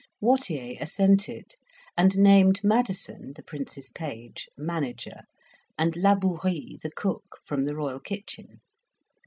Wattier assented, and named Madison, the Prince's page, manager, and Labourie, the cook, from the Royal kitchen.